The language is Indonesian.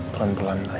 pelan pelan lah ya